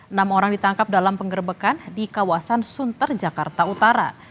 enam orang ditangkap dalam penggerbekan di kawasan sunter jakarta utara